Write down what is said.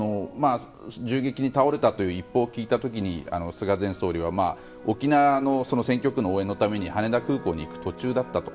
銃撃に倒れたという一報を聞いた時に菅前総理は沖縄の選挙区の応援のために羽田空港に行く途中だったと。